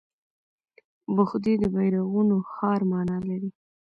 بخدي د بیرغونو ښار مانا لري